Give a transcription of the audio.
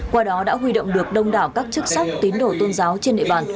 qua đó đã huy động được đông đảo các chức sách tín đổ tôn giáo trên nệ bàn